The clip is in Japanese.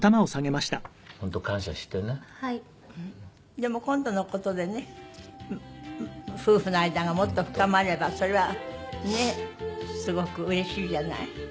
でも今度の事でね夫婦の間がもっと深まればそれはねっすごくうれしいじゃない。